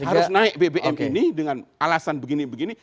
harus naik bbm ini dengan alasan begini begini